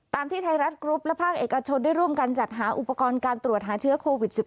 ที่ไทยรัฐกรุ๊ปและภาคเอกชนได้ร่วมกันจัดหาอุปกรณ์การตรวจหาเชื้อโควิด๑๙